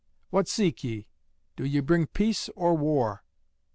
what seek ye? Do ye bring peace or war?"